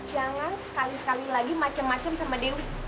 jangan sekali sekali lagi macem macem sama dewi